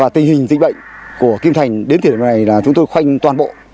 tình hình dịch bệnh của kim thành đến thời điểm này là chúng tôi khoanh toàn bộ